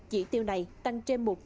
chỉ tiêu này tăng trên một trăm linh